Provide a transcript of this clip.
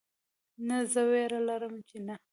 نه زه ویره لرم چې نه